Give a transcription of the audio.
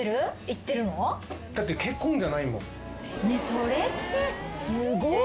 それってすごい。